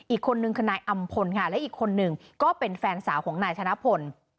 อีกคนนึงคือนายอำพลค่ะและอีกคนหนึ่งก็เป็นแฟนสาวของนายธนพล